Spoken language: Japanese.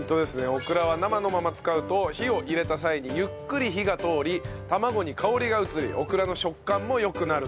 オクラは生のまま使うと火を入れた際にゆっくり火が通り卵に香りが移りオクラの食感も良くなると。